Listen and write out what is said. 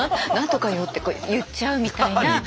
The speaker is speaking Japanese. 何とかよ」ってこう言っちゃうみたいな。